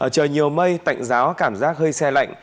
trời nhiều mây tạnh giáo cảm giác hơi xe lạnh